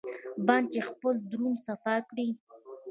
بنده چې خپل درون صفا کړي.